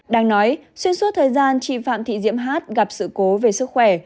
đang nói xuyên suốt thời gian chị phạm thị diễm hát gặp sự cố về sức khỏe